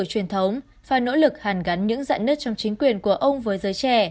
truyền thống và nỗ lực hàn gắn những dạ nứt trong chính quyền của ông với giới trẻ